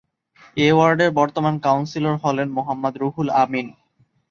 এ ওয়ার্ডের বর্তমান কাউন্সিলর হলেন মোহাম্মদ রুহুল আমিন।